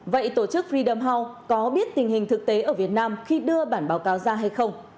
vậy tổ chức freem house có biết tình hình thực tế ở việt nam khi đưa bản báo cáo ra hay không